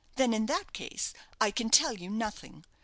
Then, in that case, I can tell you nothing.